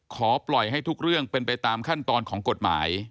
ขอให้ปล่อยให้ทุกเรื่องเป็นไปตามขั้นตอนของกฎหมาย